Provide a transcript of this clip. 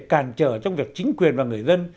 càn trở trong việc chính quyền và người dân